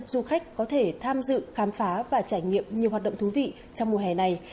du khách có thể tham dự khám phá và trải nghiệm nhiều hoạt động thú vị trong mùa hè này